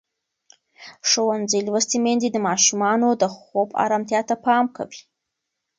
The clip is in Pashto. ښوونځې لوستې میندې د ماشومانو د خوب ارامتیا ته پام کوي.